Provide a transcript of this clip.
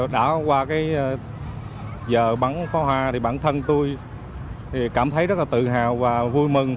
đã qua giờ bắn pháo hoa thì bản thân tôi cảm thấy rất là tự hào và vui mừng